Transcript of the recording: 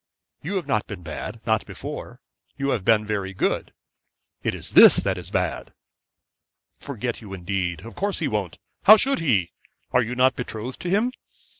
'You have not been bad; not before. You have been very good. It is this that is bad.' 'Forget you indeed. Of course he won't. How should he? Are you not betrothed to him?